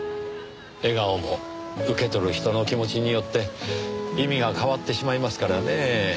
笑顔も受け取る人の気持ちによって意味が変わってしまいますからねぇ。